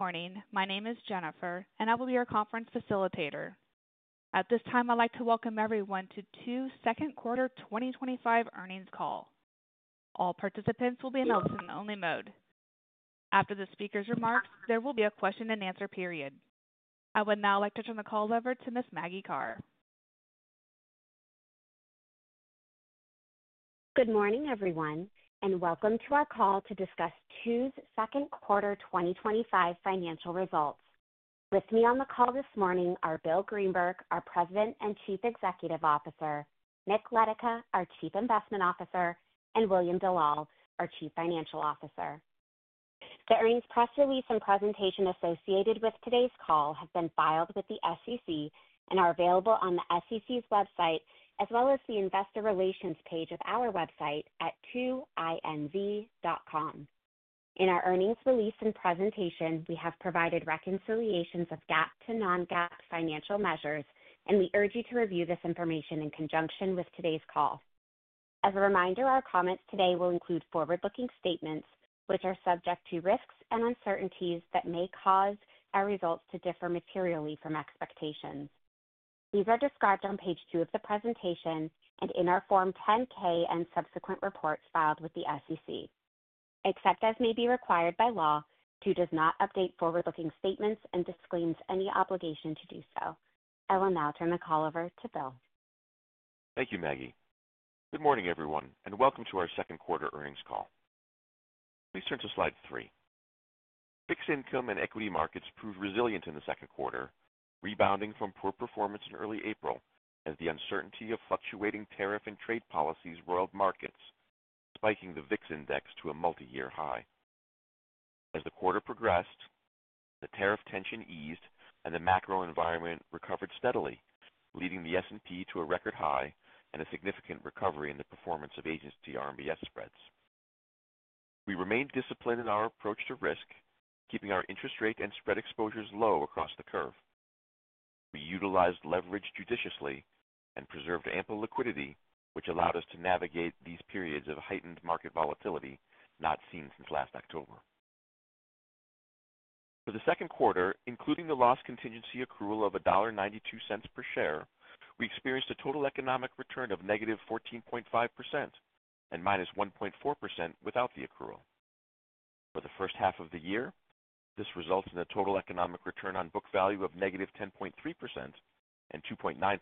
Morning. My name is Jennifer, and I will be your conference facilitator. At this time, I'd like to welcome everyone to TWO's Second Quarter 2025 Earnings Call. All participants will be in a listen-only mode. After the speaker's remarks, there will be a question-and-answer period. I would now like to turn the call over to Ms. Maggie Karr. Good morning, everyone, and welcome to our call to discuss TWO'S Second Quarter 2025 financial results. With me on the call this morning are Bill Greenberg, our President and Chief Executive Officer, Nick Letica, our Chief Investment Officer, and William Dellal, our Chief Financial Officer. The earnings press release and presentation associated with today's call have been filed with the SEC and are available on the SEC's website, as well as the investor relations page of our website at twoinv.com. In our earnings release and presentation, we have provided reconciliations of GAAP to non-GAAP financial measures, and we urge you to review this information in conjunction with today's call. As a reminder, our comments today will include forward-looking statements, which are subject to risks and uncertainties that may cause our results to differ materially from expectations. These are described on page two of the presentation and in our Form 10-K and subsequent reports filed with the SEC. Except as may be required by law, TWO does not update forward-looking statements and disclaims any obligation to do so. I will now turn the call over to Bill. Thank you, Maggie. Good morning, everyone, and welcome to our second quarter earnings call. Please turn to slide three. Fixed income and equity markets proved resilient in the second quarter, rebounding from poor performance in early April as the uncertainty of fluctuating tariff and trade policies roiled markets, spiking the VIX index to a multi-year high. As the quarter progressed, the tariff tension eased and the macro environment recovered steadily, leading the S&P to a record high and a significant recovery in the performance of Agency RMBS spreads. We remained disciplined in our approach to risk, keeping our interest rate and spread exposures low across the curve. We utilized leverage judiciously and preserved ample liquidity, which allowed us to navigate these periods of heightened market volatility not seen since last October. For the second quarter, including the loss contingency accrual of $1.92 per share, we experienced a total economic return of -14.5% and -1.4% without the accrual. For the first half of the year, this results in a total economic return on book value of -10.3% and 2.9%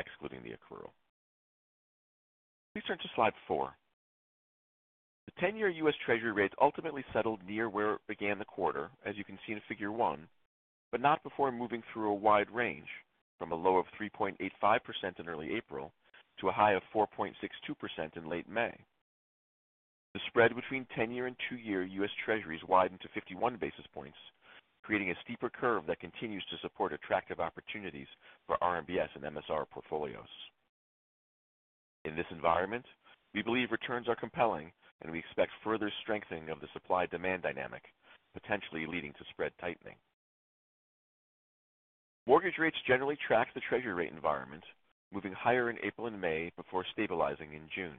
excluding the accrual. Please turn to slide four. The 10-year U.S. Treasury rates ultimately settled near where it began the quarter, as you can see in figure one, but not before moving through a wide range from a low of 3.85% in early April to a high of 4.62% in late May. The spread between 10-year and 2-year U.S. Treasuries widened to 51 basis points, creating a steeper curve that continues to support attractive opportunities for RMBS and MSR portfolios. In this environment, we believe returns are compelling, and we expect further strengthening of the supply-demand dynamic, potentially leading to spread tightening. Mortgage rates generally track the Treasury rate environment, moving higher in April and May before stabilizing in June.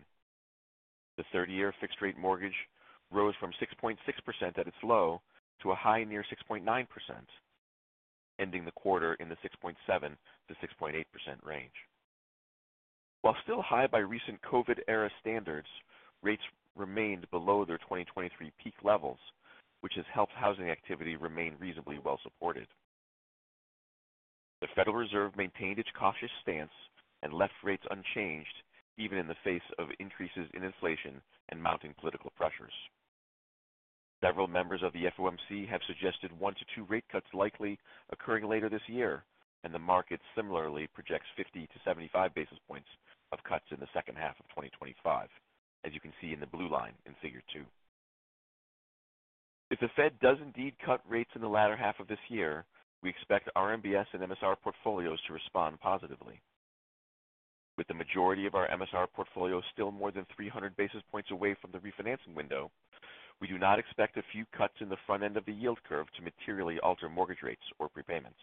The 30-year fixed-rate mortgage rose from 6.6% at its low to a high near 6.9%, ending the quarter in the 6.7%-6.8% range. While still high by recent COVID-era standards, rates remained below their 2023 peak levels, which has helped housing activity remain reasonably well supported. The Federal Reserve maintained its cautious stance and left rates unchanged, even in the face of increases in inflation and mounting political pressures. Several members of the FOMC have suggested one-two rate cuts likely occurring later this year, and the market similarly projects 50-75 basis points of cuts in the second half of 2025, as you can see in the blue line in figure two. If the Fed does indeed cut rates in the latter half of this year, we expect RMBS and MSR portfolios to respond positively. With the majority of our MSR portfolios still more than 300 basis points away from the refinancing window, we do not expect a few cuts in the front end of the yield curve to materially alter mortgage rates or prepayments.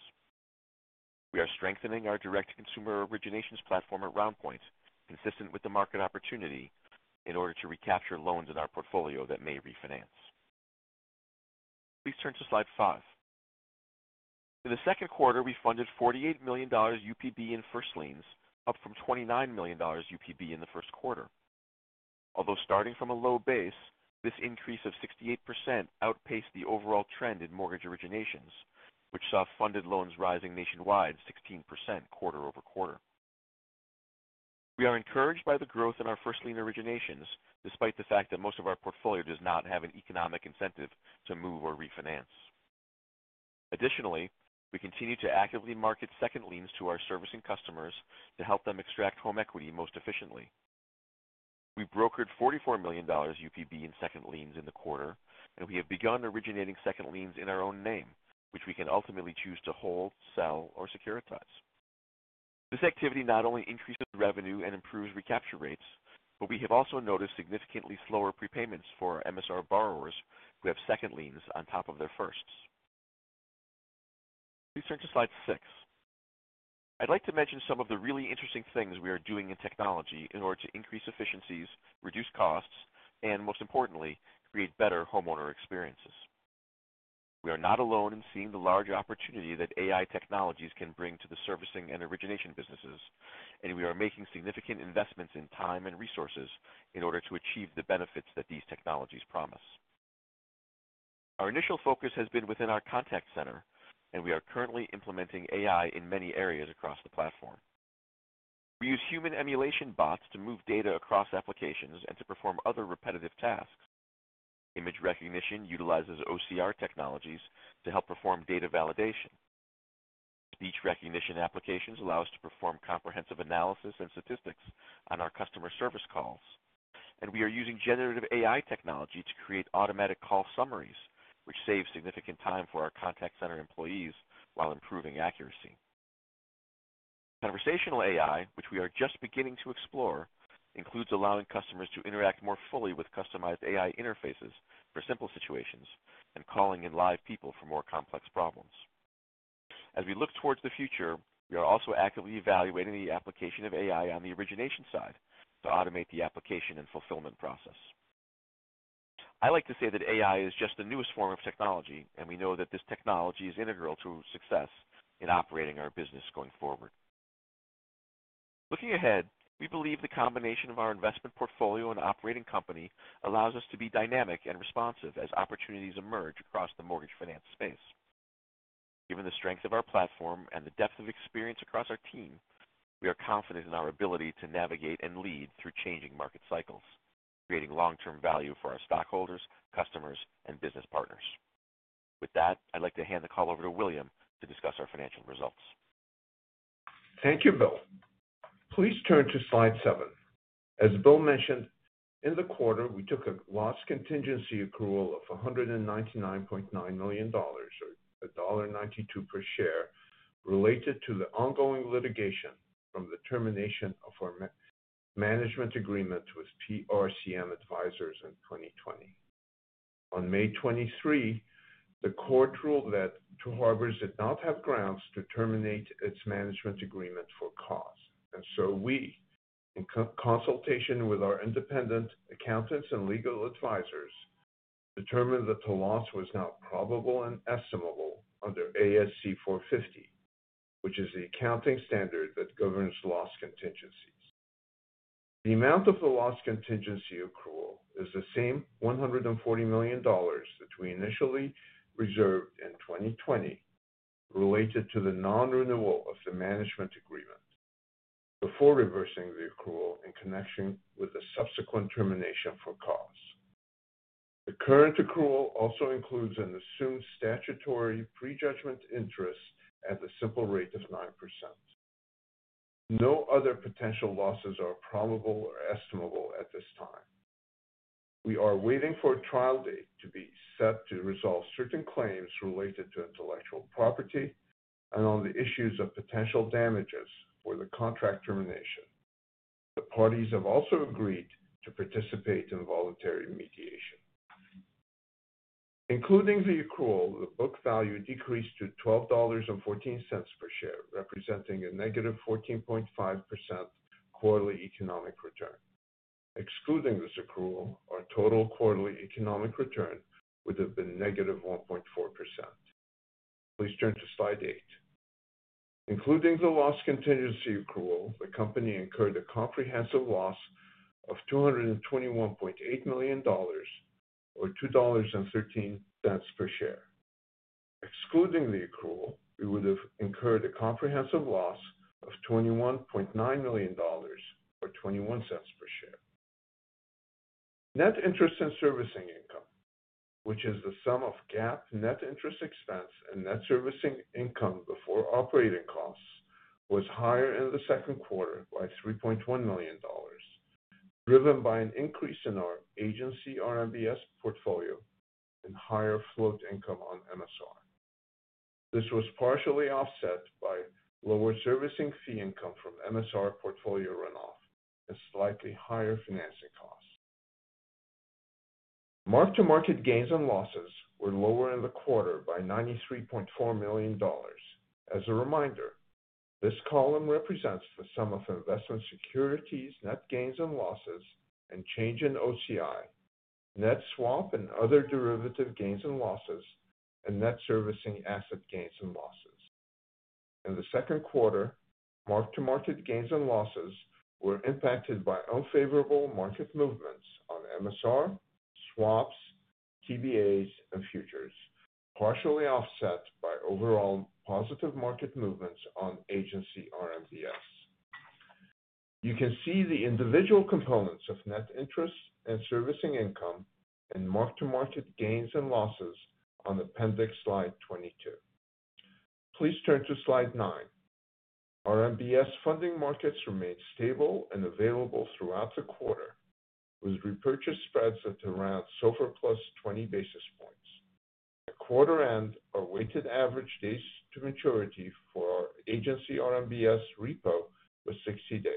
We are strengthening our direct-to-consumer originations platform at RoundPoint, consistent with the market opportunity, in order to recapture loans in our portfolio that may refinance. Please turn to slide five. In the second quarter, we funded $48 million UPB in first liens, up from $29 million UPB in the first quarter. Although starting from a low base, this increase of 68% outpaced the overall trend in mortgage originations, which saw funded loans rising nationwide 16% quarter-over-quarter. We are encouraged by the growth in our first lien originations, despite the fact that most of our portfolio does not have an economic incentive to move or refinance. Additionally, we continue to actively market second liens to our servicing customers to help them extract home equity most efficiently. We brokered $44 million UPB in second liens in the quarter, and we have begun originating second liens in our own name, which we can ultimately choose to hold, sell, or securitize. This activity not only increases revenue and improves recapture rates, but we have also noticed significantly slower prepayments for MSR borrowers who have second liens on top of their firsts. Please turn to slide six. I'd like to mention some of the really interesting things we are doing in technology in order to increase efficiencies, reduce costs, and most importantly, create better homeowner experiences. We are not alone in seeing the large opportunity that artificial intelligence technologies can bring to the servicing and origination businesses, and we are making significant investments in time and resources in order to achieve the benefits that these technologies promise. Our initial focus has been within our contact center, and we are currently implementing artificial intelligence in many areas across the platform. We use human emulation bots to move data across applications and to perform other repetitive tasks. Image recognition utilizes OCR technologies to help perform data validation. Speech recognition applications allow us to perform comprehensive analysis and statistics on our customer service calls, and we are using generative AI technology to create automatic call summaries, which saves significant time for our contact center employees while improving accuracy. Conversational AI, which we are just beginning to explore, includes allowing customers to interact more fully with customized AI interfaces for simple situations and calling in live people for more complex problems. As we look towards the future, we are also actively evaluating the application of AI on the origination side to automate the application and fulfillment process. I like to say that AI is just the newest form of technology, and we know that this technology is integral to success in operating our business going forward. Looking ahead, we believe the combination of our investment portfolio and operating company allows us to be dynamic and responsive as opportunities emerge across the mortgage finance space. Given the strength of our platform and the depth of experience across our team, we are confident in our ability to navigate and lead through changing market cycles, creating long-term value for our stockholders, customers, and business partners. With that, I'd like to hand the call over to William to discuss our financial results. Thank you, Bill. Please turn to slide seven. As Bill mentioned, in the quarter, we took a loss contingency accrual of $199.9 million, or $1.92 per share, related to the ongoing litigation from the termination of our management agreement with PRCM Advisors in 2020. On May 23, the court ruled that Two Harbors did not have grounds to terminate its management agreement for cause, and we, in consultation with our independent accountants and legal advisors, determined that the loss was now probable and estimable under ASC 450, which is the accounting standard that governs loss contingencies. The amount of the loss contingency accrual is the same $140 million that we initially reserved in 2020, related to the non-renewal of the management agreement before reversing the accrual in connection with the subsequent termination for cause. The current accrual also includes an assumed statutory prejudgment interest at the simple rate of 9%. No other potential losses are probable or estimable at this time. We are waiting for a trial date to be set to resolve certain claims related to intellectual property and on the issues of potential damages or the contract termination. The parties have also agreed to participate in voluntary mediation. Including the accrual, the book value decreased to $12.14 per share, representing a -14.5% quarterly economic return. Excluding this accrual, our total quarterly economic return would have been -1.4%. Please turn to slide eight. Including the loss contingency accrual, the company incurred a comprehensive loss of $221.8 million, or $2.13 per share. Excluding the accrual, we would have incurred a comprehensive loss of $21.9 million, or $0.21 per share. Net interest in servicing income, which is the sum of GAAP net interest expense and net servicing income before operating costs, was higher in the second quarter by $3.1 million, driven by an increase in our Agency RMBS portfolio and higher float income on MSR. This was partially offset by lower servicing fee income from MSR portfolio runoff and slightly higher financing costs. Marked to market gains and losses were lower in the quarter by $93.4 million. This column represents the sum of investment securities, net gains and losses, and change in OCI, net swap and other derivative gains and losses, and net servicing asset gains and losses. In the second quarter, marked to market gains and losses were impacted by unfavorable market movements on MSR, swaps, TBAs, and futures, partially offset by overall positive market movements on Agency RMBS. You can see the individual components of net interest and servicing income and marked to market gains and losses on appendix slide 22. Please turn to slide nine. RMBS funding markets remained stable and available throughout the quarter, with repurchase spreads that are around SOFR plus 20 basis points. At quarter-end, our weighted average days to maturity for our Agency RMBS repo was 60 days.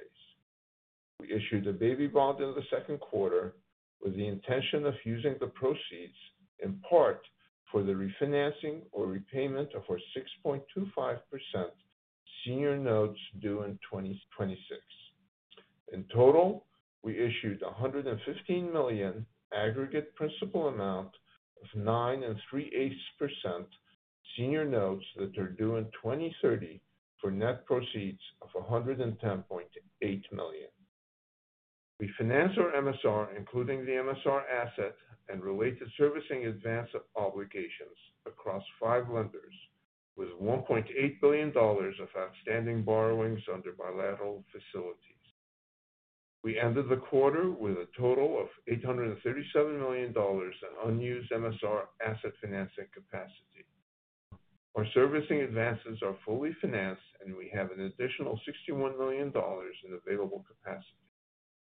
We issued a baby bond in the second quarter with the intention of using the proceeds in part for the refinancing or repayment of our 6.25% senior notes due in 2026. In total, we issued $115 million aggregate principal amount of 9.38% senior notes that are due in 2030 for net proceeds of $110.8 million. We financed our MSR, including the MSR asset and related servicing advance obligations across five lenders, with $1.8 billion of outstanding borrowings under bilateral facilities. We ended the quarter with a total of $837 million in unused MSR asset financing capacity. Our servicing advances are fully financed, and we have an additional $61 million in available capacity.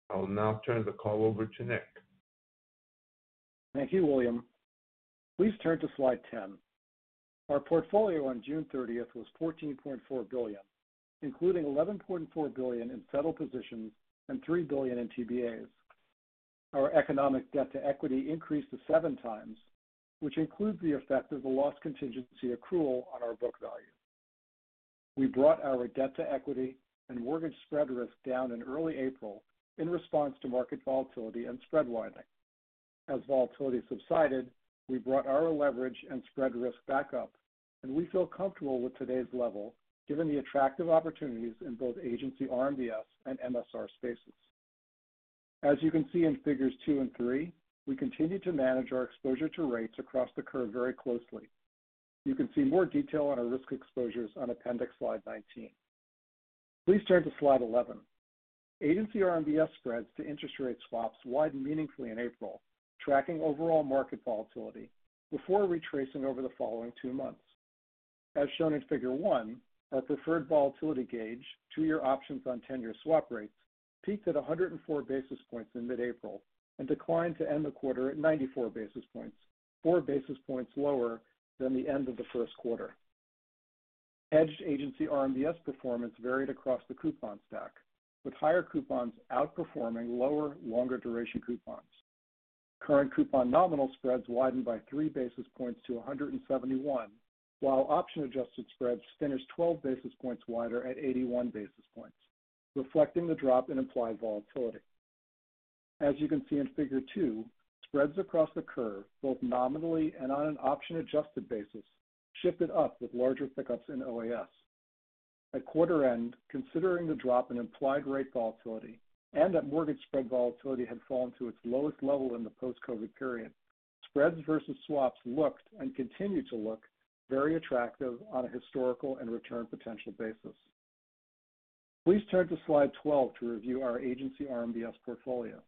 I will now turn the call over to Nick. Thank you, William. Please turn to slide 10. Our portfolio on June 30 was $14.4 billion, including $11.4 billion in federal positions and $3 billion in TBAs. Our economic debt to equity increased to 7x, which includes the effect of the loss contingency accrual on our book value. We brought our debt to equity and mortgage spread risk down in early April in response to market volatility and spread widening. As volatility subsided, we brought our leverage and spread risk back up, and we feel comfortable with today's level, given the attractive opportunities in both Agency RMBS and MSR spaces. As you can see in figures two and three, we continue to manage our exposure to rates across the curve very closely. You can see more detail on our risk exposures on appendix slide 19. Please turn to slide 11. Agency RMBS spreads to interest rate swaps widened meaningfully in April, tracking overall market volatility before retracing over the following two months. As shown in figure 1, our preferred volatility gauge, two-year options on 10-year swap rates, peaked at 104 basis points in mid-April and declined to end the quarter at 94 basis points, four basis points lower than the end of the first quarter. Hedged Agency RMBS performance varied across the coupon stack, with higher coupons outperforming lower, longer duration coupons. Current coupon nominal spreads widened by three basis points to 171, while option-adjusted spreads finished 12 basis points wider at 81 basis points, reflecting the drop in implied volatility. As you can see in figure two, spreads across the curve, both nominally and on an option-adjusted basis, shifted up with larger pickups in OAS. At quarter-end, considering the drop in implied rate volatility and that mortgage spread volatility had fallen to its lowest level in the post-COVID period, spreads versus swaps looked and continue to look very attractive on a historical and return potential basis. Please turn to slide 12 to review our Agency RMBS portfolio.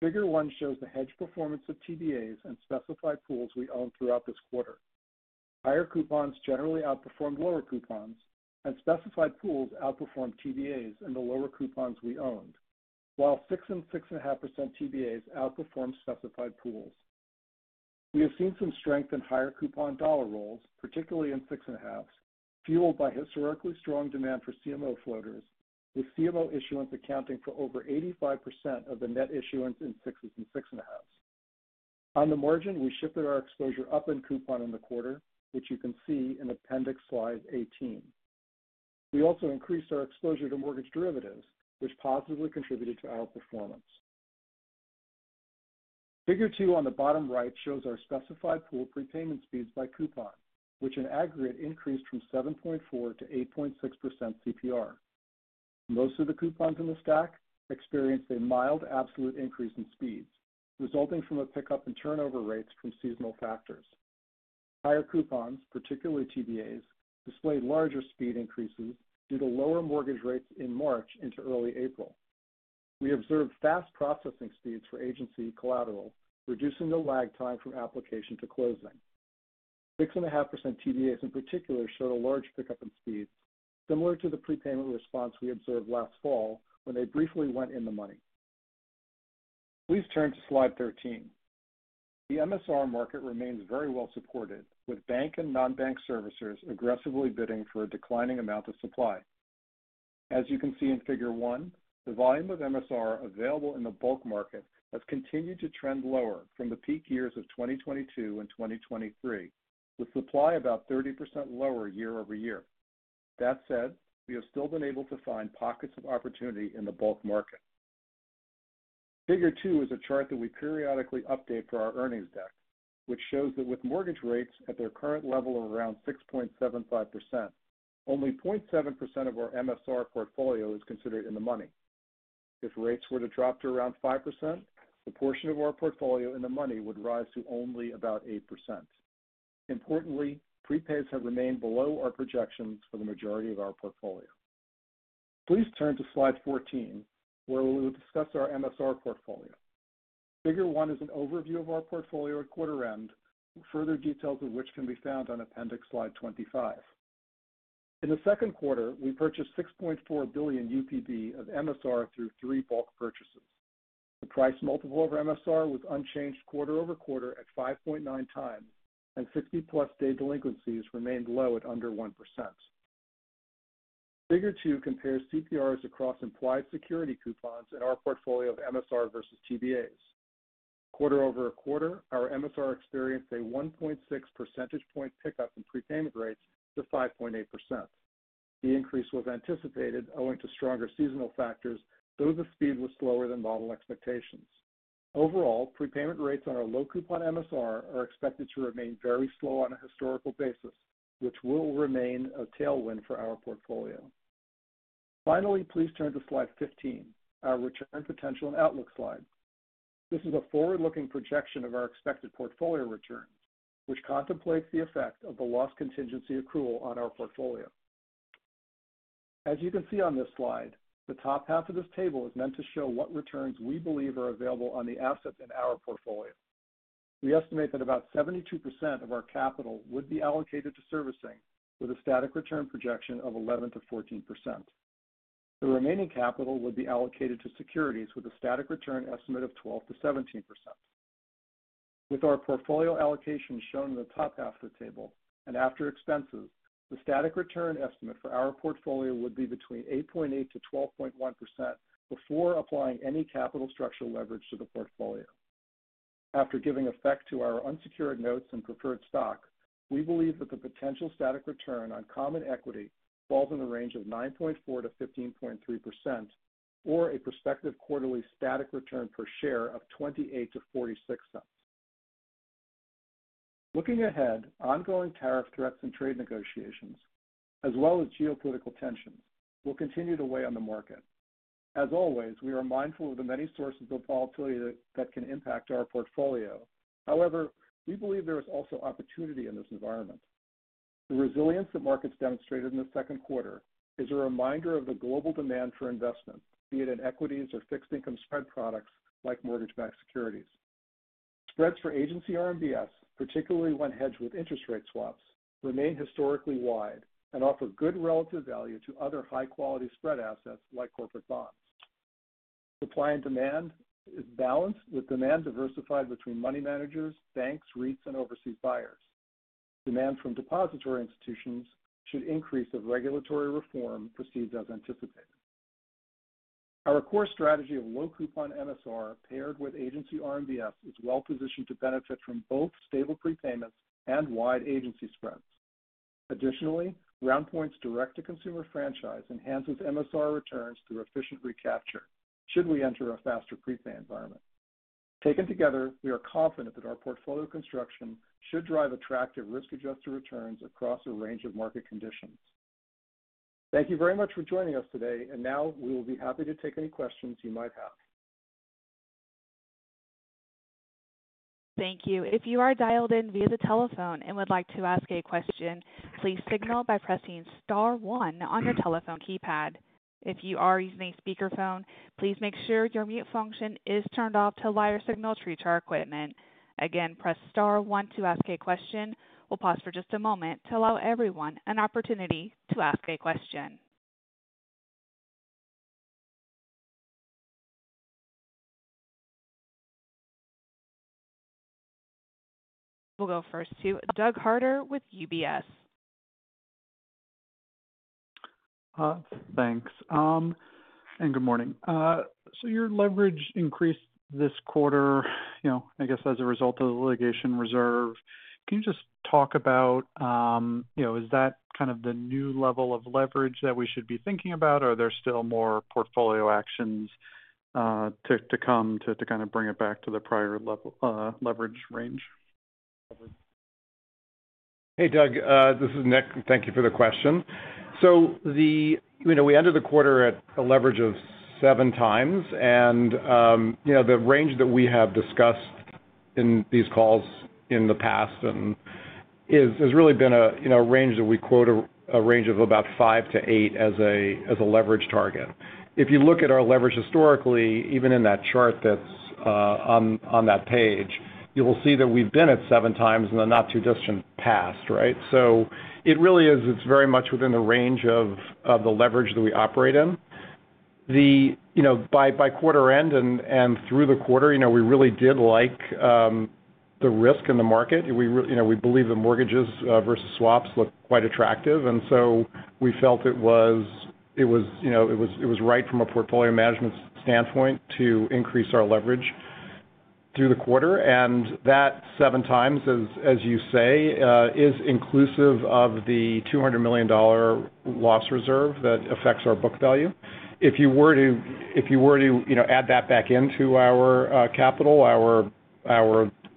Figure one shows the hedge performance of TBAs and specified pools we owned throughout this quarter. Higher coupons generally outperformed lower coupons, and specified pools outperformed TBAs in the lower coupons we owned, while 6% and 6.5% TBAs outperformed specified pools. We have seen some strength in higher coupon dollar rolls, particularly in six and a halfs, fueled by historically strong demand for CMO floaters, with CMO issuance accounting for over 85% of the net issuance in six and six and a halfs. On the margin, we shifted our exposure up in coupon in the quarter, which you can see in appendix slide 18. We also increased our exposure to mortgage derivatives, which positively contributed to our performance. Figure two on the bottom right shows our specified pool prepayment speeds by coupon, which in aggregate increased from 7.4%-8.6% CPR. Most of the coupons in the stack experienced a mild absolute increase in speeds, resulting from a pickup in turnover rates from seasonal factors. Higher coupons, particularly TBAs, displayed larger speed increases due to lower mortgage rates in March into early April. We observed fast processing speeds for agency collateral, reducing the lag time from application to closing. Six and a half percent TBAs in particular showed a large pickup in speeds, similar to the prepayment response we observed last fall when they briefly went in the money. Please turn to slide 13. The MSR market remains very well supported, with bank and non-bank servicers aggressively bidding for a declining amount of supply. As you can see in figure one, the volume of MSR available in the bulk market has continued to trend lower from the peak years of 2022 and 2023, with supply about 30% lower year-over-year. That said, we have still been able to find pockets of opportunity in the bulk market. Figure two is a chart that we periodically update for our earnings deck, which shows that with mortgage rates at their current level of around 6.75%, only 0.7% of our MSR portfolio is considered in the money. If rates were to drop to around 5%, the portion of our portfolio in the money would rise to only about 8%. Importantly, prepays have remained below our projections for the majority of our portfolio. Please turn to slide 14, where we will discuss our MSR portfolio. Figure one is an overview of our portfolio at quarter end, further details of which can be found on appendix slide 25. In the second quarter, we purchased $6.4 billion UPB of MSR through three bulk purchases. The price multiple of MSR was unchanged quarter-over-quarter at 5.9 times, and 60-plus-day delinquencies remained low at under 1%. Figure two compares CPRs across implied security coupons in our portfolio of MSR versus TBAs. Quarter-over-quarter, our MSR experienced a 1.6 percentage point pickup in prepayment rates to 5.8%. The increase was anticipated owing to stronger seasonal factors, though the speed was slower than model expectations. Overall, prepayment rates on our low coupon MSR are expected to remain very slow on a historical basis, which will remain a tailwind for our portfolio. Finally, please turn to slide 15, our return potential and outlook slide. This is a forward-looking projection of our expected portfolio return, which contemplates the effect of the loss contingency accrual on our portfolio. As you can see on this slide, the top half of this table is meant to show what returns we believe are available on the asset in our portfolio. We estimate that about 72% of our capital would be allocated to servicing, with a static return projection of 11%-14%. The remaining capital would be allocated to securities, with a static return estimate of 12%-17%. With our portfolio allocation shown in the top half of the table, and after expenses, the static return estimate for our portfolio would be between 8.8%-12.1% before applying any capital structure leverage to the portfolio. After giving effect to our unsecured notes and preferred stock, we believe that the potential static return on common equity falls in the range of 9.4%-15.3%, or a prospective quarterly static return per share of $0.28-$0.46. Looking ahead, ongoing tariff threats and trade negotiations, as well as geopolitical tensions, will continue to weigh on the market. As always, we are mindful of the many sources of volatility that can impact our portfolio. However, we believe there is also opportunity in this environment. The resilience the markets demonstrated in the second quarter is a reminder of the global demand for investment, be it in equities or fixed-income spread products like mortgage-backed securities. Spreads for Agency RMBS, particularly when hedged with interest rate swaps, remain historically wide and offer good relative value to other high-quality spread assets like corporate bonds. Supply and demand is balanced with demand diversified between money managers, banks, REITs, and overseas buyers. Demand from depository institutions should increase if regulatory reform proceeds as anticipated. Our core strategy of low coupon MSR paired with agency RMBS is well-positioned to benefit from both stable prepayments and wide agency spreads. Additionally, RoundPoint's direct-to-consumer franchise enhances MSR returns through efficient recapture should we enter a faster prepay environment. Taken together, we are confident that our portfolio construction should drive attractive risk-adjusted returns across a range of market conditions. Thank you very much for joining us today, and now we will be happy to take any questions you might have. Thank you. If you are dialed in via the telephone and would like to ask a question, please signal by pressing star one on your telephone keypad. If you are using a speakerphone, please make sure your mute function is turned off to allow your signal to reach our equipment. Again, press star one to ask a question. We'll pause for just a moment to allow everyone an opportunity to ask a question. We'll go first to Doug Harter with UBS. Thanks, and good morning. Your leverage increased this quarter, I guess as a result of the litigation reserve. Can you just talk about, you know, is that kind of the new level of leverage that we should be thinking about, or are there still more portfolio actions to come to kind of bring it back to the prior level, leverage range? Hey, Doug. This is Nick. Thank you for the question. We ended the quarter at a leverage of seven times, and the range that we have discussed in these calls in the past has really been a range that we quote, a range of about five to eight as a leverage target. If you look at our leverage historically, even in that chart that's on that page, you will see that we've been at seven times in the not-too-distant past, right? It really is very much within the range of the leverage that we operate in. By quarter end and through the quarter, we really did like the risk in the market. We really believe the mortgages versus swaps look quite attractive, and we felt it was right from a portfolio management standpoint to increase our leverage through the quarter. That seven times, as you say, is inclusive of the $200 million loss reserve that affects our book value. If you were to add that back into our capital, our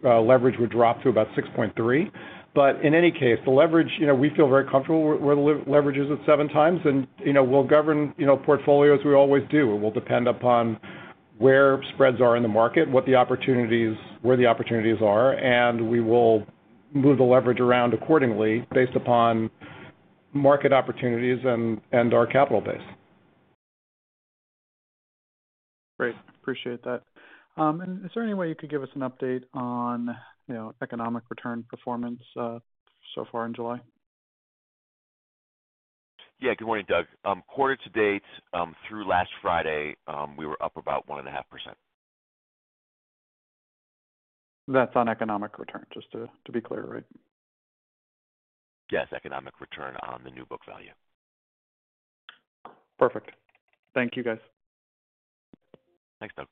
leverage would drop to about 6.3. In any case, the leverage, we feel very comfortable with leverages at seven times, and we'll govern portfolio as we always do. It will depend upon where spreads are in the market, where the opportunities are, and we will move the leverage around accordingly based upon market opportunities and our capital base. Great. Appreciate that. Is there any way you could give us an update on, you know, economic return performance so far in July? Yeah. Good morning, Doug. Quarter to date, through last Friday, we were up about 1.5%. That's on economic return, just to be clear, right? Yes, economic return on the new book value. Perfect. Thank you, guys. Thanks, Doug.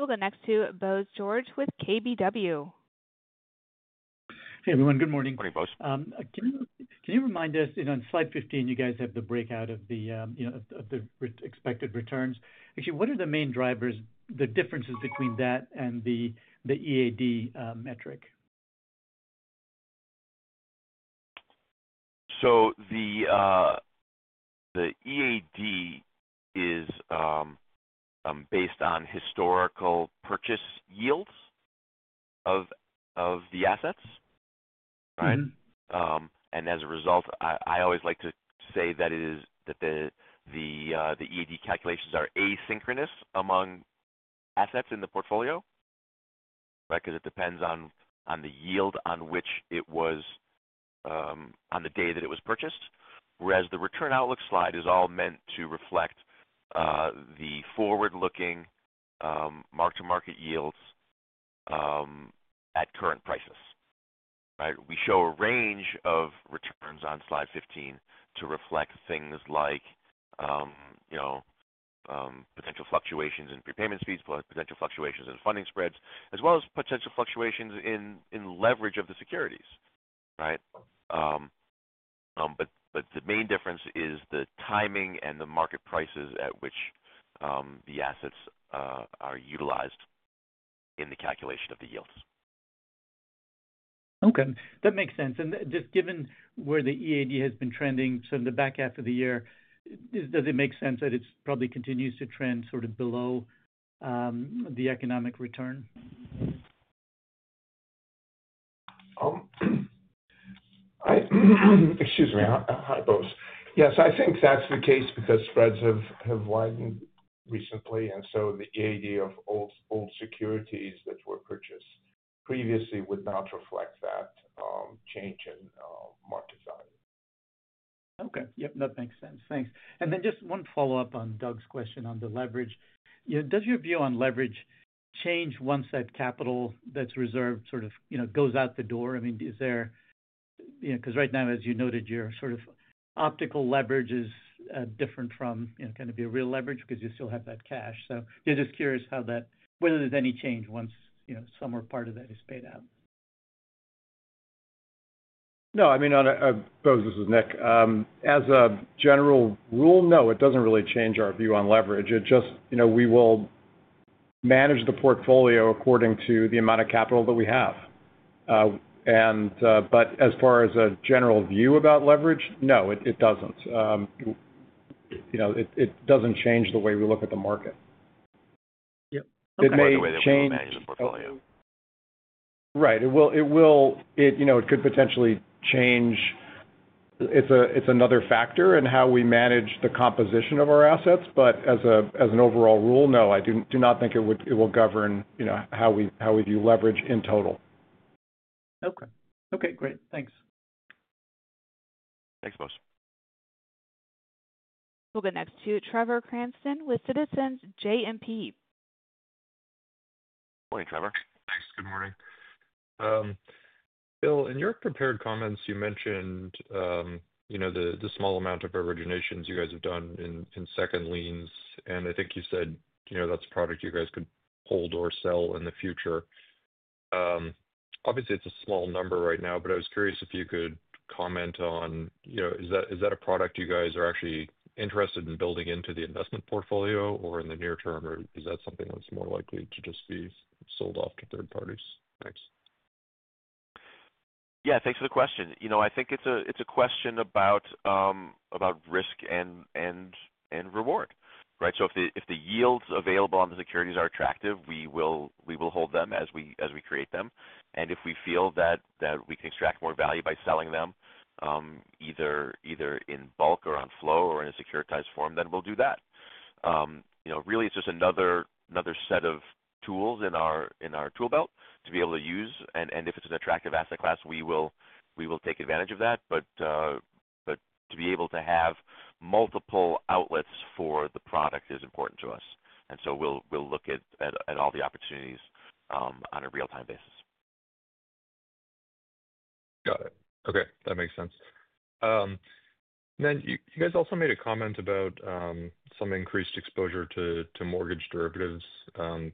We'll go next to Bose George with KBW. Hey, everyone. Good morning. Morning, Bose Can you remind us, on slide 15, you guys have the breakout of the expected returns. What are the main drivers, the differences between that and the EAD metric? The EAD is based on historical purchase yields of the assets, right? As a result, I always like to say that the EAD calculations are asynchronous among assets in the portfolio, right, because it depends on the yield on which it was, on the day that it was purchased. Whereas the return outlook slide is all meant to reflect the forward-looking, marked-to-market yields at current prices, right? We show a range of returns on slide 15 to reflect things like potential fluctuations in prepayment fees, potential fluctuations in funding spreads, as well as potential fluctuations in leverage of the securities, right? The main difference is the timing and the market prices at which the assets are utilized in the calculation of the yields. Okay. That makes sense. Just given where the EAD has been trending sort of the back half of the year, does it make sense that it probably continues to trend sort of below the economic return? Excuse me. Hi, Bose. Yes, I think that's the case because spreads have widened recently, and so the EAD of old securities that were purchased previously would not reflect that change in market value. Okay. Yep. That makes sense. Thanks. Just one follow-up on Doug's question on the leverage. Does your view on leverage change once that capital that's reserved goes out the door? I mean, is there, because right now, as you noted, your sort of optical leverage is different from going to be a real leverage because you still have that cash. Just curious whether there's any change once some or part of that is paid out. No, I mean, I suppose this is Nick. As a general rule, no, it doesn't really change our view on leverage. We will manage the portfolio according to the amount of capital that we have. As far as a general view about leverage, no, it doesn't. It doesn't change the way we look at the market. Yep. It may change. It may change the portfolio. Right. It could potentially change. It's another factor in how we manage the composition of our assets. As an overall rule, no, I do not think it will govern how we view leverage in total. Okay. Great. Thanks. Thanks, Bose. We'll go next to Trevor Cranston with Citizens JMP. Morning, Trevor. Thanks. Good morning. Bill, in your prepared comments, you mentioned the small amount of originations you guys have done in second liens, and I think you said that's a product you guys could hold or sell in the future. Obviously, it's a small number right now, but I was curious if you could comment on, is that a product you guys are actually interested in building into the investment portfolio in the near term, or is that something that's more likely to just be sold off to third parties? Thanks. Thanks for the question. I think it's a question about risk and reward, right? If the yields available on the securities are attractive, we will hold them as we create them. If we feel that we can extract more value by selling them, either in bulk or on flow or in a securitized form, then we'll do that. Really, it's just another set of tools in our tool belt to be able to use. If it's an attractive asset class, we will take advantage of that. To be able to have multiple outlets for the product is important to us, and we'll look at all the opportunities on a real-time basis. Got it. Okay. That makes sense. You guys also made a comment about some increased exposure to mortgage derivatives,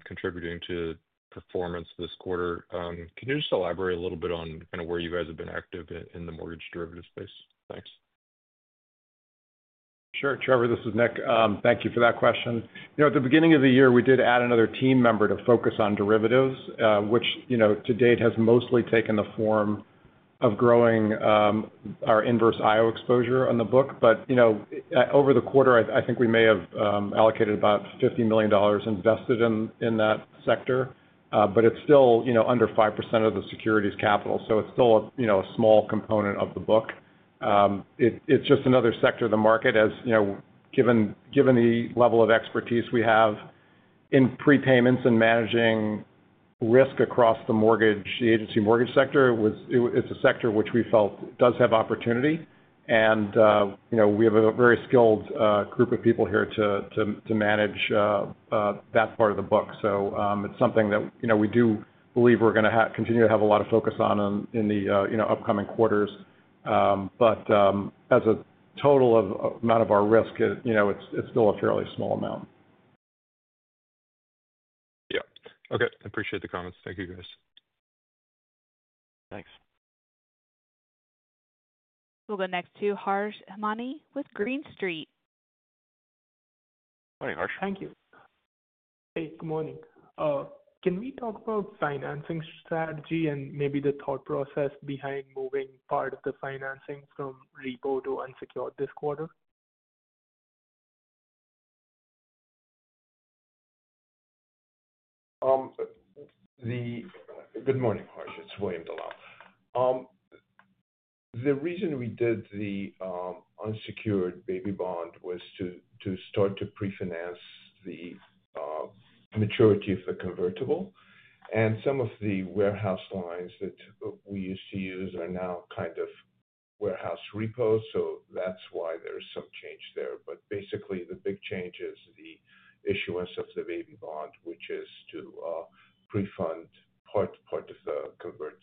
contributing to performance this quarter. Can you just elaborate a little bit on kind of where you guys have been active in the mortgage derivative space? Thanks. Sure. Trevor, this is Nick. Thank you for that question. At the beginning of the year, we did add another team member to focus on derivatives, which to date has mostly taken the form of growing our inverse IO exposure on the book. Over the quarter, I think we may have allocated about $50 million invested in that sector, but it's still under 5% of the securities capital, so it's still a small component of the book. It's just another sector of the market. Given the level of expertise we have in prepayments and managing risk across the mortgage, the agency mortgage sector is a sector which we felt does have opportunity. We have a very skilled group of people here to manage that part of the book. It's something that we do believe we're going to continue to have a lot of focus on in the upcoming quarters, but as a total amount of our risk, it's still a fairly small amount. Yeah, okay. I appreciate the comments. Thank you, guys. Thanks. We'll go next to Harsh Hemnani with Green. Hi, Harsh. Thank you. Good morning. Can we talk about financing strategy and maybe the thought process behind moving part of the financing from repo to unsecured this quarter? Good morning, Harsh. It's William Dellal. The reason we did the unsecured baby bond was to start to prefinance the maturity of the convertible. Some of the warehouse lines that we used to use are now kind of warehouse repos, so that's why there's some change there. Basically, the big change is the issuance of the baby bond, which is to pre-fund part of the convert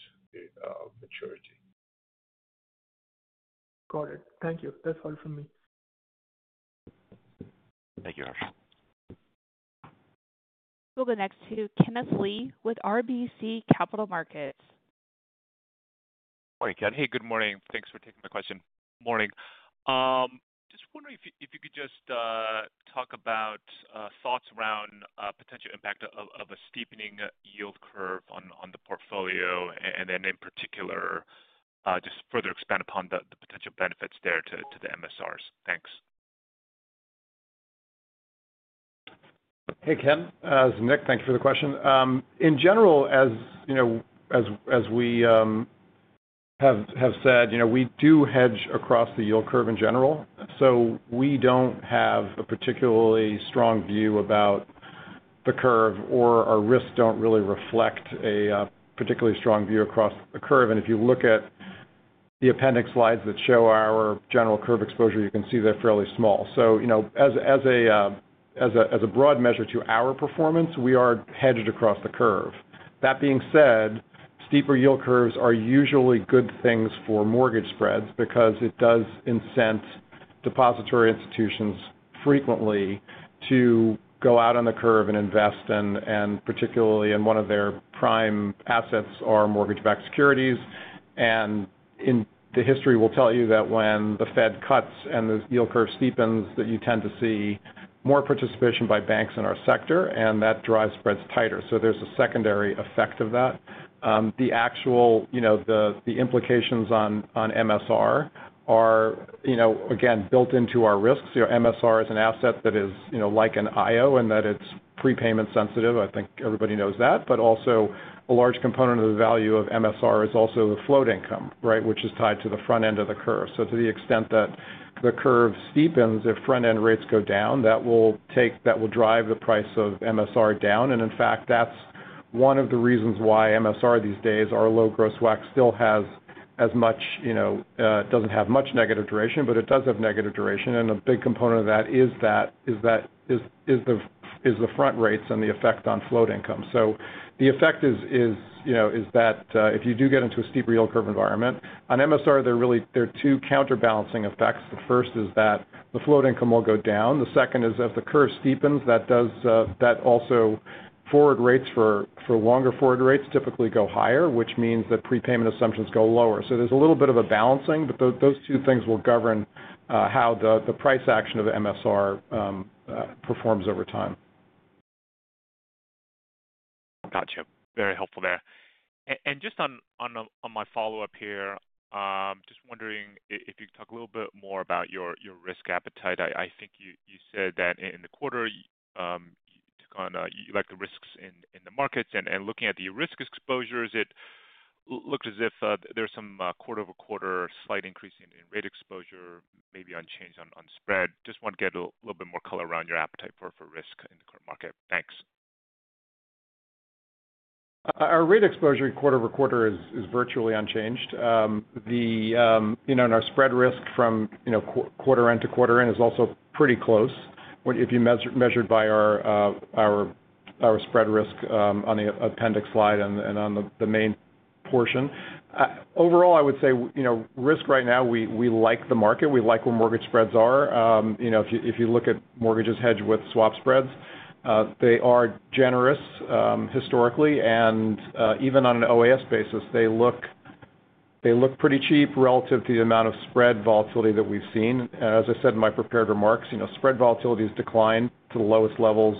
maturity. Got it. Thank you. That's all from me. Thank you, Harsh. We'll go next to Kenneth Lee with RBC Capital Markets. Morning, Ken. Good morning. Thanks for taking the question. Just wondering if you could talk about thoughts around potential impact of a steepening yield curve on the portfolio and then in particular, just further expand upon the potential benefits there to the MSRs. Thanks. Hey, Ken. This is Nick. Thank you for the question. In general, as you know, as we have said, we do hedge across the yield curve in general. We do not have a particularly strong view about the curve, or our risks do not really reflect a particularly strong view across the curve. If you look at the appendix slides that show our general curve exposure, you can see they are fairly small. As a broad measure to our performance, we are hedged across the curve. That being said, steeper yield curves are usually good things for mortgage spreads because it does incent depository institutions frequently to go out on the curve and invest in, and particularly in one of their prime assets, our mortgage-backed securities. History will tell you that when the Fed cuts and the yield curve steepens, you tend to see more participation by banks in our sector, and that drives spreads tighter. There is a secondary effect of that. The actual implications on MSR are, again, built into our risks. MSR is an asset that is like an IO in that it is prepayment sensitive. I think everybody knows that. Also, a large component of the value of MSR is the float income, which is tied to the front end of the curve. To the extent that the curve steepens, if front-end rates go down, that will drive the price of MSR down. In fact, that is one of the reasons why MSR these days, our low gross WACC, still does not have much negative duration, but it does have negative duration. A big component of that is the front rates and the effect on float income. The effect is that if you do get into a steeper yield curve environment, on MSR, there are two counterbalancing effects. The first is that the float income will go down. The second is if the curve steepens, forward rates for longer forward rates typically go higher, which means that prepayment assumptions go lower. There is a little bit of a balancing, but those two things will govern how the price action of the MSR performs over time. Gotcha. Very helpful there. Just on my follow-up here, just wondering if you could talk a little bit more about your risk appetite. I think you said that in the quarter, you took on, you like the risks in the markets. Looking at the risk exposures, it looked as if there's some quarter over quarter slight increase in rate exposure, maybe unchanged on spread. Just want to get a little bit more color around your appetite for risk in the current market. Thanks. Our rate exposure quarter over quarter is virtually unchanged. Our spread risk from quarter end to quarter end is also pretty close, if you measure by our spread risk on the appendix slide and on the main portion. Overall, I would say risk right now, we like the market. We like where mortgage spreads are. If you look at mortgages hedged with swap spreads, they are generous, historically. Even on an OAS basis, they look pretty cheap relative to the amount of spread volatility that we've seen. As I said in my prepared remarks, spread volatility has declined to the lowest levels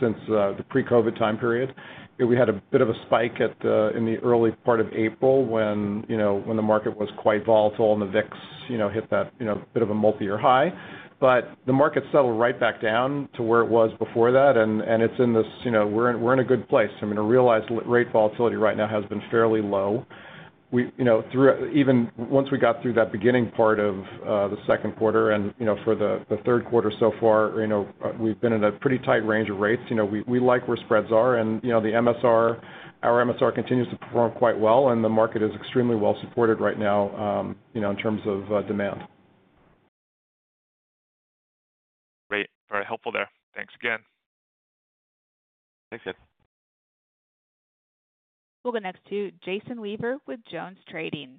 since the pre-COVID time period. We had a bit of a spike in the early part of April when the market was quite volatile and the VIX hit a bit of a multi-year high. The market settled right back down to where it was before that. We're in a good place. Realized rate volatility right now has been fairly low. Even once we got through that beginning part of the second quarter and for the third quarter so far, we've been in a pretty tight range of rates. We like where spreads are. The MSR, our MSR continues to perform quite well, and the market is extremely well supported right now in terms of demand. Great. Very helpful there. Thanks again. Thanks, Nick. We'll go next to Jason Weaver with JonesTrading.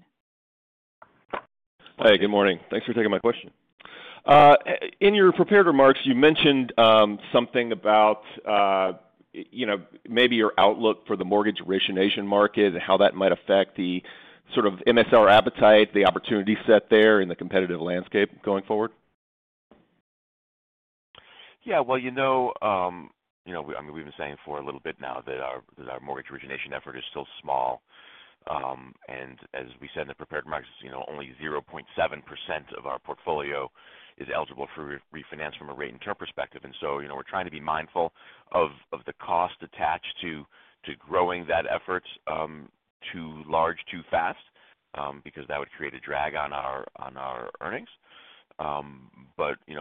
Hi. Good morning. Thanks for taking my question. In your prepared remarks, you mentioned something about your outlook for the mortgage origination market and how that might affect the sort of MSR appetite, the opportunity set there in the competitive landscape going forward. Yeah. We've been saying for a little bit now that our mortgage origination effort is still small, and as we said in the prepared remarks, only 0.7% of our portfolio is eligible for refinance from a rate and term perspective. We're trying to be mindful of the cost attached to growing that effort too large, too fast, because that would create a drag on our earnings.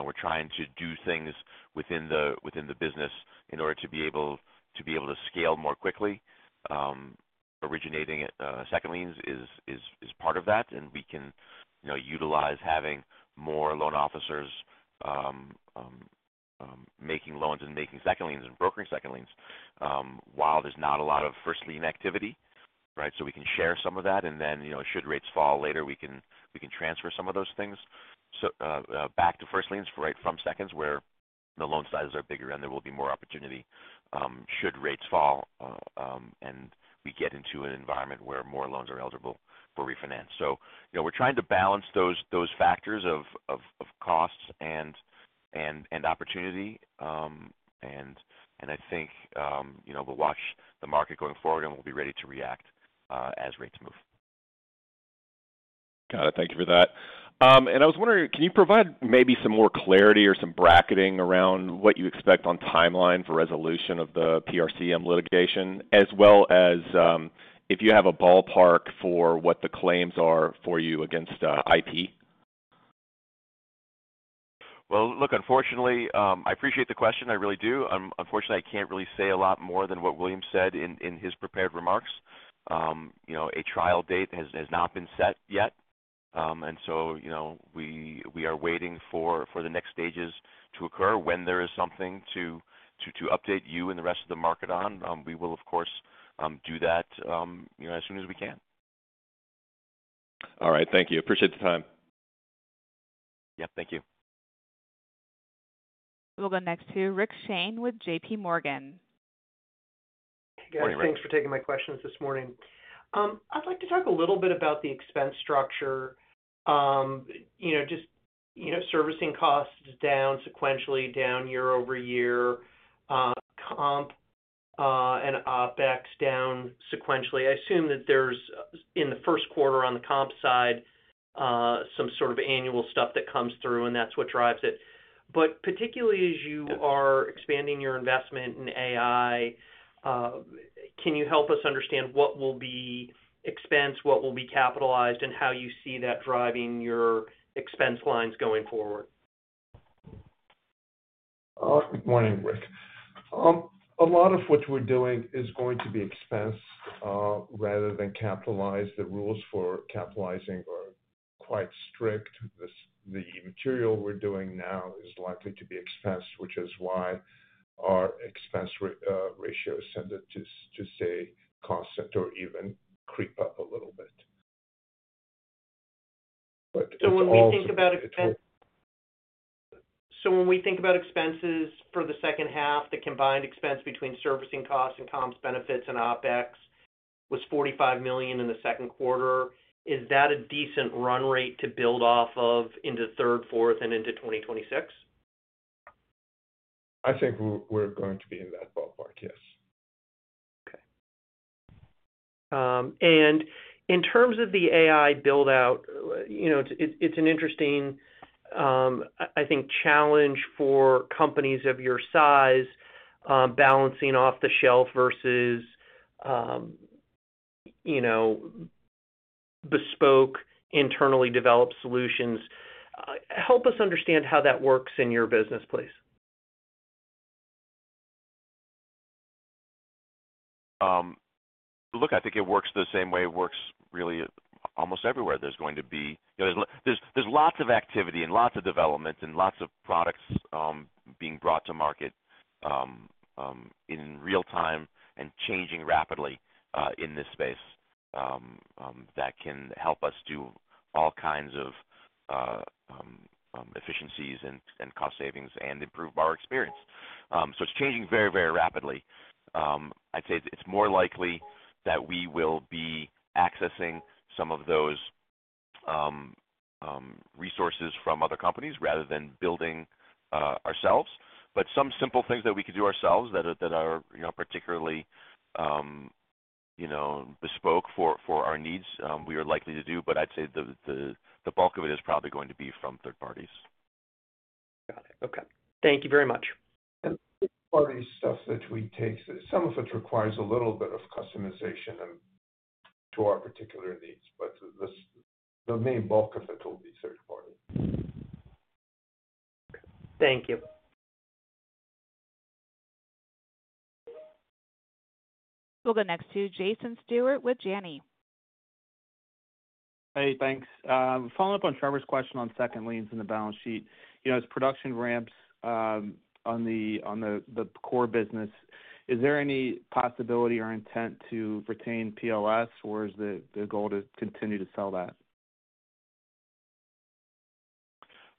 We're trying to do things within the business in order to be able to scale more quickly. Originating at second liens is part of that, and we can utilize having more loan officers making loans and making second liens and brokering second liens while there's not a lot of first lien activity, right? We can share some of that. Should rates fall later, we can transfer some of those things back to first liens from seconds where the loan sizes are bigger and there will be more opportunity, should rates fall, and we get into an environment where more loans are eligible for refinance. We're trying to balance those factors of costs and opportunity, and I think we'll watch the market going forward, and we'll be ready to react as rates move. Got it. Thank you for that. I was wondering, can you provide maybe some more clarity or some bracketing around what you expect on timeline for resolution of the PRCM litigation, as well as if you have a ballpark for what the claims are for you against IP?? I appreciate the question. I really do. Unfortunately, I can't really say a lot more than what William said in his prepared remarks. A trial date has not been set yet, and we are waiting for the next stages to occur. When there is something to update you and the rest of the market on, we will, of course, do that as soon as we can. All right. Thank you. Appreciate the time. Thank you. We'll go next to Rick Shane with JPMorgan Chase & Co. Good morning, Rick. Thanks for taking my questions this morning. I'd like to talk a little bit about the expense structure. Servicing costs down sequentially, down year-over-year, comp, and OpEx down sequentially. I assume that there's, in the first quarter on the comp side, some sort of annual stuff that comes through, and that's what drives it. Particularly as you are expanding your investment in artificial intelligence, can you help us understand what will be expense, what will be capitalized, and how you see that driving your expense lines going forward? Good morning, Rick. A lot of what we're doing is going to be expensed, rather than capitalized. The rules for capitalizing are quite strict. The material we're doing now is likely to be expensed, which is why our expense ratio has tended to stay constant or even creep up a little bit. When we think about expenses for the second half, the combined expense between servicing costs and comps, benefits, and OpEx was $45 million in the second quarter. Is that a decent run rate to build off of into third, fourth, and into 2026? I think we're going to be in that ballpark, yes. Okay. In terms of the artificial intelligence build-out, it's an interesting, I think, challenge for companies of your size, balancing off-the-shelf versus bespoke, internally developed solutions. Help us understand how that works in your business, please. I think it works the same way it works really almost everywhere. There's going to be, you know, lots of activity and lots of development and lots of products being brought to market in real time and changing rapidly in this space that can help us do all kinds of efficiencies and cost savings and improve our experience. It's changing very, very rapidly. I'd say it's more likely that we will be accessing some of those resources from other companies rather than building ourselves. Some simple things that we could do ourselves that are particularly, you know, bespoke for our needs, we are likely to do. I'd say the bulk of it is probably going to be from third parties. Got it. Okay, thank you very much. Third-party stuff that we take, some of it requires a little bit of customization to our particular needs. The main bulk of it will be third-party. Thank you. We'll go next to Jason Stewart with Janney. Hey, thanks. Following up on Trevor's question on second liens and the balance sheet. As production ramps on the core business, is there any possibility or intent to retain PLS, or is the goal to continue to sell that?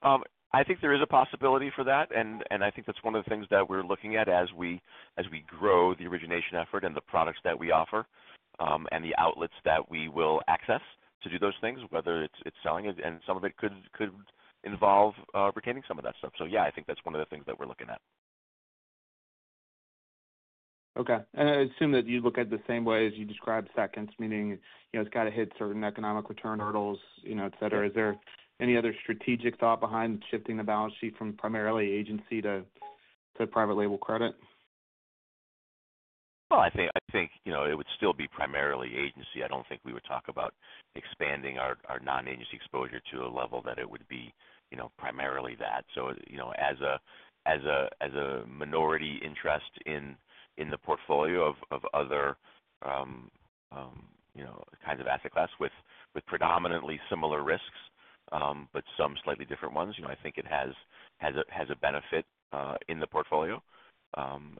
I think there is a possibility for that. I think that's one of the things that we're looking at as we grow the origination effort and the products that we offer, and the outlets that we will access to do those things, whether it's selling it. Some of it could involve retaining some of that stuff. I think that's one of the things that we're looking at. Okay. I assume that you look at it the same way as you described seconds, meaning, you know, it's got to hit certain economic return hurdles, etc. Is there any other strategic thought behind shifting the balance sheet from primarily agency to private label credit? I think, you know, it would still be primarily agency. I don't think we would talk about expanding our non-agency exposure to a level that it would be primarily that. As a minority interest in the portfolio of other kinds of asset class with predominantly similar risks, but some slightly different ones, I think it has a benefit in the portfolio, and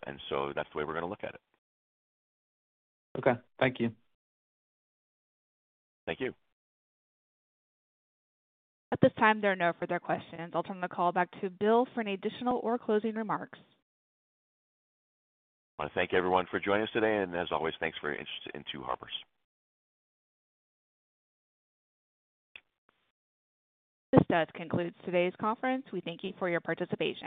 that's the way we're going to look at it. Okay. Thank you. Thank you. At this time, there are no further questions. I'll turn the call back to Bill for any additional or closing remarks. I want to thank everyone for joining us today. As always, thanks for your interest in Two Harbors. This does conclude today's conference. We thank you for your participation.